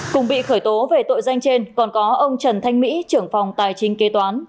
cùng bị khởi tố về tội danh trên còn có ông trần thanh mỹ trưởng phòng tài chính kế toán